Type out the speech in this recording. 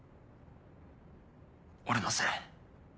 俺のせい？